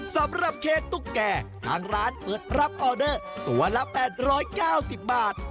สำหรับเค้กตุ๊กแก่ทางร้านเปิดรับออเดอร์ตัวละ๘๙๐บาท